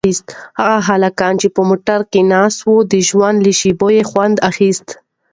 هغه هلکان چې په موټر کې ناست وو د ژوند له شېبو خوند اخیست.